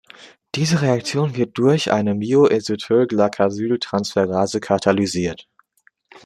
Diese Reaktion wird durch eine myo-Inositol-Galactosyl-Transferase katalysiert.